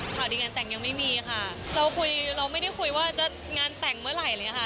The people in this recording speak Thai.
ข่าวดีงานแต่งยังไม่มีค่ะเราคุยเราไม่ได้คุยว่าจะงานแต่งเมื่อไหร่เลยค่ะ